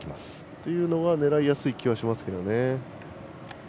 というのが狙いやすい気がしますけどね。